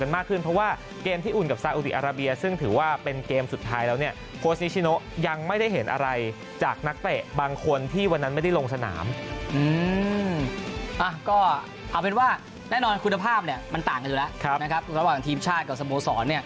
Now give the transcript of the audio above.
ก็เอาเป็นว่าแน่นอนคุณภาพเนี่ยมันต่างกันอยู่แล้วนะครับระหว่างทีมชาติกับสโมสร